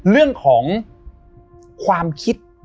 เรื่องของความคิด